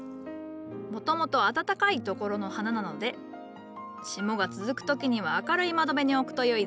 もともと暖かいところの花なので霜が続く時には明るい窓辺に置くとよいぞ。